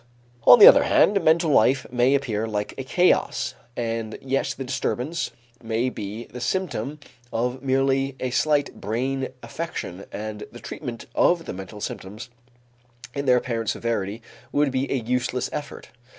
On the other hand, mental life may appear like a chaos and yet the disturbance may be the symptom of merely a slight brain affection and the treatment of the mental symptoms in their apparent severity would be a useless effort.